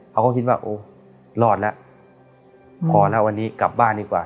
เขาก็คิดว่าโอ้รอดแล้วพอแล้ววันนี้กลับบ้านดีกว่า